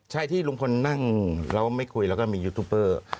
ใช่ที่ลุงพลนั่งแล้วไม่คุยแล้วก็มียูทูปเปอร์